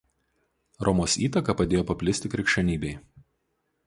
Romos įtaka padėjo paplisti krikščionybei.